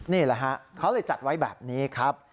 นี่แหละฮะเขาเลยจัดไว้แบบนี้ครับ